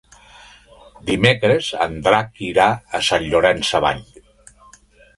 Dimecres en Drac irà a Sant Llorenç Savall.